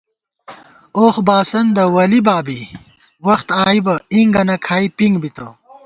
اوخ باسندہ ولِبابی وخت آئی بہ اِنگَنہ کھائی پِنگ بِتہ